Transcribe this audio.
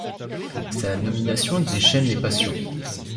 Sa nomination déchaîne les passions.